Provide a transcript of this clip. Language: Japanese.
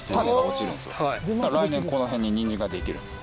来年この辺ににんじんができるんですね。